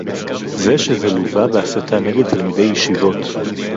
זה שזה לווה בהסתה נגד תלמידי ישיבות